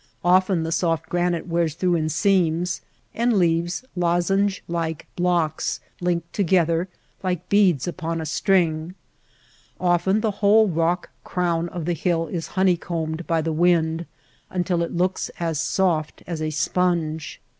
Often the soft granite wears through in seams and leaves lozenge like blocks linked together like beads upon a string ; often the whole rock crown of the hill is honey combed by the wind until it looks as soft as a sponge.